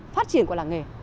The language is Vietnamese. phát triển của làng nghề